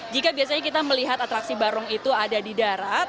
jika biasanya kita melihat atraksi barong itu ada di darat